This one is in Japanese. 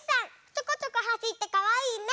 ちょこちょこはしってかわいいね。